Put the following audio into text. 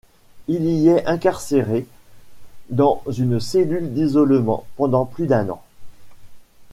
Il y est incarcéré dans une cellule d’isolement pendant plus d’un an.